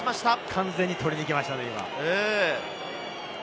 完全に取りに行きましたね。